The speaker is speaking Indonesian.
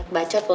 kau mau kemana